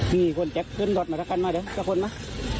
มีคนแจ็คขึ้นรถมารักษณ์มาดเดี๋ยวสัตว์คุณมา